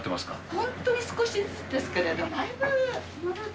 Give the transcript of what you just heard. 本当に少しずつですけども。